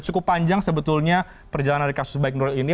cukup panjang sebetulnya perjalanan dari kasus baik nuril ini